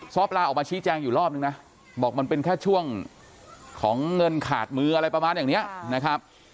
ซ้อปลาออกมาชี้แจงอยู่รอบนึงนะบอกมันเป็นแค่ช่วงของเงินขาดมืออะไรประมาณอย่างนี้นะครับ